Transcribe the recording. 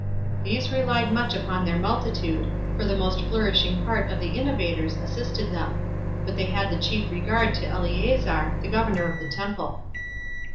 These relied much upon their multitude, for the most flourishing part of the innovators assisted them; but they had the chief regard to Eleazar, the governor of the temple.